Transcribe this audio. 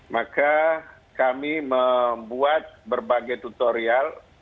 maka kami membuat berbagai tutorial